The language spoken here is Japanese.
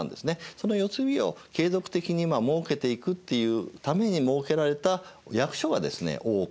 その世継ぎを継続的にもうけていくっていうために設けられた役所がですね大奥だったんですね。